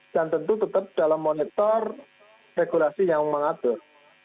dan tentu tetap dalam monitor regulasi yang mengatur